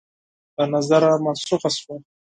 له نظره منسوخه شوه